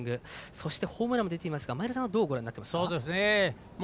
そしてホームランも出ていますが前田さんはどうご覧になっていますか？